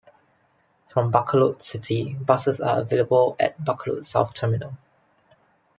From Bacolod City, buses are available at Bacolod South Terminal.